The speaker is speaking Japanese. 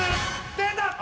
出た！